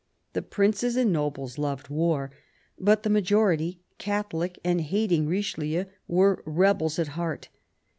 The princes and nobles loved war ; but the majority. Catholic and hating Richelieu, were rebels at heart.